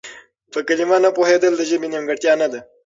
په کلمه نه پوهېدل د ژبې نيمګړتيا نه ده.